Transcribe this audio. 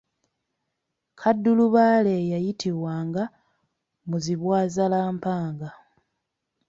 Kaddulubaale ye yayitibwanga Muzibwazaalampanga.